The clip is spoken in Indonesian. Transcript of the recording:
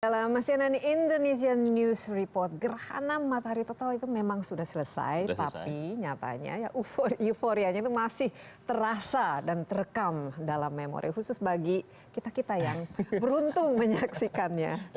dalam cnn indonesia news report gerhana matahari total itu memang sudah selesai tapi nyatanya euforianya itu masih terasa dan terekam dalam memori khusus bagi kita kita yang beruntung menyaksikannya